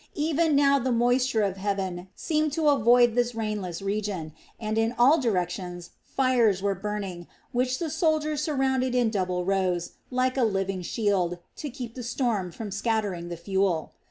Even now the moisture of heaven seemed to avoid this rainless region and in all directions fires were burning, which the soldiers surrounded in double rows, like a living shield, to keep the storm from scattering the fuel.